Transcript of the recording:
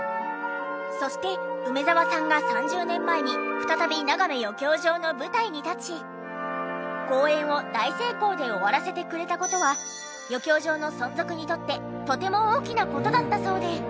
そして梅沢さんが３０年前に再びながめ余興場の舞台に立ち公演を大成功で終わらせてくれた事は余興場の存続にとってとても大きな事だったそうで。